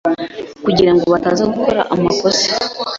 kugira ngo bataza gukora amakosa